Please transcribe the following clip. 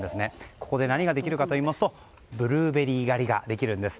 ここで何ができるかといいますとブルーベリー狩りができるんです。